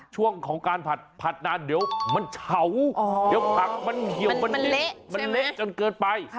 ช่วงของการผัดนานเดี๋ยวมันเฉาเดี๋ยวผักมันเหี่ยวมันเละมันเละจนเกินไป